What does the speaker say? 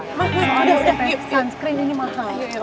sampai sunscreennya ini mahal